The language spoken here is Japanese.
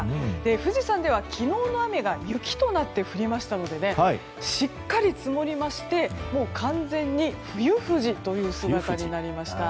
富士山では昨日の雨が雪となって降りましたのでしっかり積もりまして完全に冬富士の姿になりました。